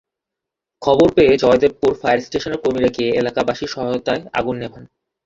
খবর পেয়ে জয়দেবপুর ফায়ার স্টেশনের কর্মীরা গিয়ে এলাকাবাসীর সহায়তায় আগুন নেভান।